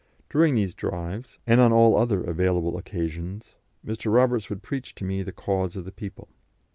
During these drives, and on all other available occasions, Mr. Roberts would preach to me the cause of the people.